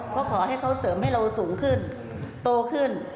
ก็ขอให้เขาเสริมให้เราสูงขึ้นโตขึ้น